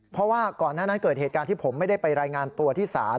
เพราะว่าก่อนหน้านั้นเกิดเหตุการณ์ที่ผมไม่ได้ไปรายงานตัวที่ศาล